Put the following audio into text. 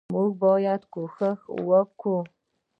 موږ باید کوښښ وکو